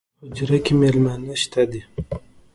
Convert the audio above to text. پۀ حجره کې میلمانۀ شته دي